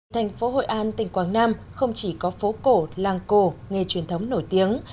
thành phố hội an tỉnh quảng nam không chỉ có phố cổ làng cổ nghề truyền thống nổi tiếng